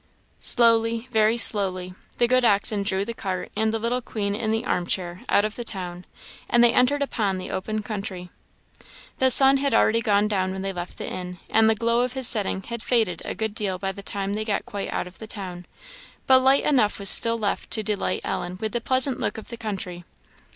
Slowly, very slowly, the good oxen drew the cart and the little queen in the arm chair out of the town, and they entered upon the open country. The sun had already gone down when they left the inn, and the glow of his setting had faded a good deal by the time they got quite out of the town; but light enough was left still to delight Ellen with the pleasant look of the country.